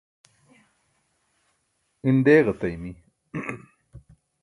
in deeġataymi